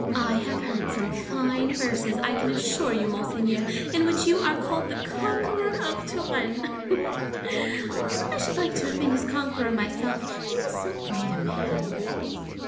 I have heard some fine verses, I can assure you, monseigneur, in which you are called the conqueror of Turenne. I should like to have been his conqueror myself, he was so great a man.